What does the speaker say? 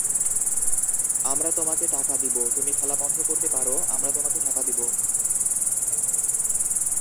আমরা তোমাকে টাকা দিব, তুমি খেলা বন্ধ করতে পারো, আমরা তোমাকে টাকা দিব!